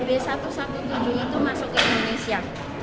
dan ini baru pertama kali b satu satu tujuh itu masuk ke indonesia